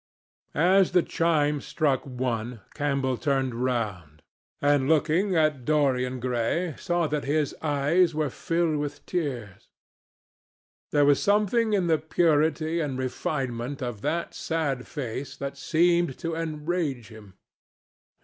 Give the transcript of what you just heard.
As the chime struck one, Campbell turned round, and looking at Dorian Gray, saw that his eyes were filled with tears. There was something in the purity and refinement of that sad face that seemed to enrage him.